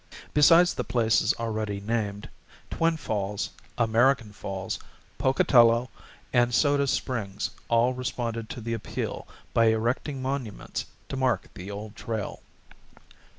Besides the places already named, Twin Falls, American Falls, Pocatello, and Soda Springs all responded to the appeal by erecting monuments to mark the Old Trail.